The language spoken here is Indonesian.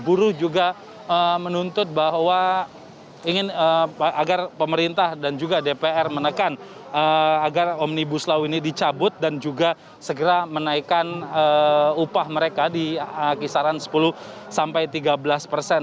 buruh juga menuntut bahwa ingin agar pemerintah dan juga dpr menekan agar omnibus law ini dicabut dan juga segera menaikkan upah mereka di kisaran sepuluh sampai tiga belas persen